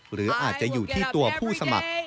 หรืออาจจะอยู่ที่ตัวผู้สมัคร